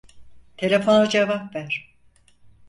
Telefona cevap ver.